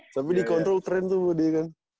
sampai dikontrol tren tuh dia kan